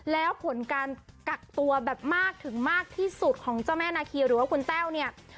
แล้วผลการกักตัวแบบมากถึงมากที่สุดของเจ้าแม่นาคีหรือว่าคุณแต้วเนี่ย